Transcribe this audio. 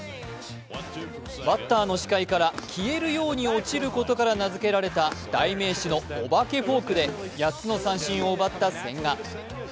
バッターの視界から消えるように落ちることから名付けられた代名詞のお化けフォークで８つの三振を奪った千賀。